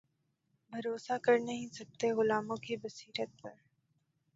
بھروسا کر نہیں سکتے غلاموں کی بصیرت پر